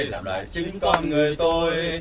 làm lại chính con người tôi